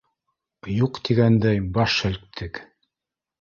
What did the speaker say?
Юҡ тигәндәй баш һелктек.